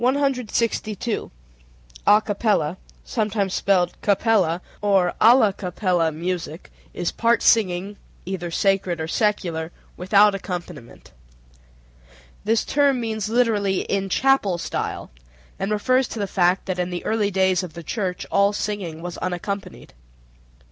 A capella (sometimes spelled cappella) or alla capella music is part singing (either sacred or secular) without accompaniment. This term means literally "in chapel style," and refers to the fact that in the early days of the church all singing was unaccompanied.